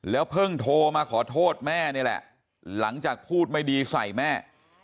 เพิ่งโทรมาขอโทษแม่นี่แหละหลังจากพูดไม่ดีใส่แม่